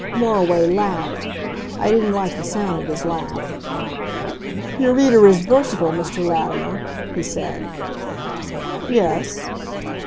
Moriway laughed. I didn't like the sound of his laugh. "Your reader is versatile, Mr. Latimer," he said. "Yes."